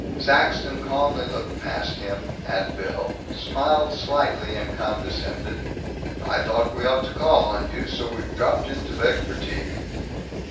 Saxton calmly looked past him, at Bill, smiled slightly, and condescended, "I thought we ought to call on you, so we've dropped in to beg for tea."